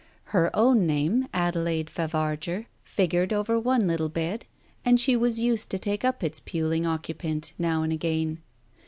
Her own name, Adelaide Favarger, figured over one little bed, and she was used to take up its puling occupant now and again.